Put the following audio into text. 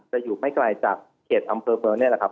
จะอยู่ไม่ไกลจากเขตอำเบอร์เฟอะนะครับ